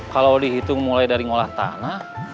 kalau dihitung mulai dari ngolah tanah